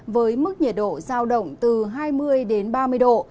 với mức nhiệt độ giao động từ hai mươi đến ba mươi độ